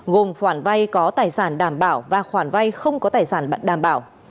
gồm khoản vay có tài sản đảm bảo và khoản vay không có tài sản bạn đảm bảo